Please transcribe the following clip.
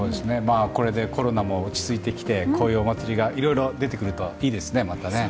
これでコロナも落ち着いてきてこういうお祭りがいろいろ出てくるといいですね。